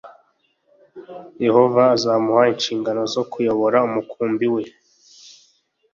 Yehova azamuha inshingano zo kuyobora umukumbi we